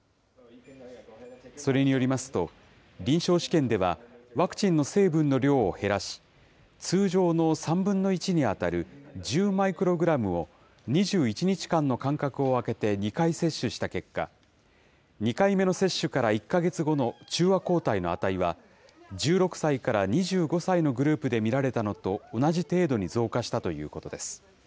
それによりますと、臨床試験では、ワクチンの成分の量を減らし、通常の３分の１に当たる１０マイクログラムを２１日間の間隔を空けて２回接種した結果、２回目の接種から１か月後の中和抗体の値は、１６歳から２５歳のグループで見られたのと同じ程度に増加したということです。